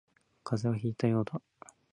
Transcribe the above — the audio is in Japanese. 風邪をひいたようだ